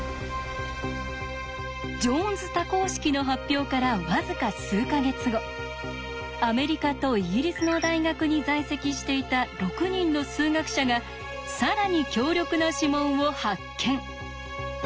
ジョーンズ多項式の発表から僅か数か月後アメリカとイギリスの大学に在籍していた６人の数学者が更に強力な指紋を発見。